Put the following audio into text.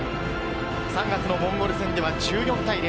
３月のモンゴル戦では１４対０。